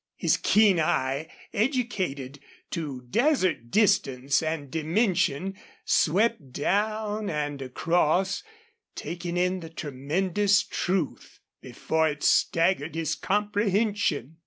His keen eye, educated to desert distance and dimension, swept down and across, taking in the tremendous truth, before it staggered his comprehension.